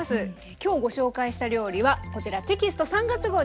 今日ご紹介した料理はこちらテキスト３月号に掲載されています。